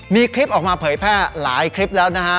มีคลิปออกมาเผยแพร่หลายคลิปแล้วนะฮะ